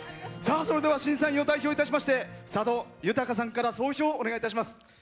それでは審査員を代表しまして佐渡裕さんから総評、お願いいたします。